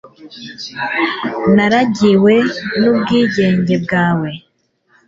naragiwe n'ubwigenge bwawe